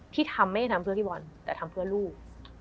ที่ทำไม่ได้ทำเพื่อพี่บอลแต่ทำเพื่อลูก